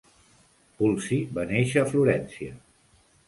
Pulci va néixer a Florència.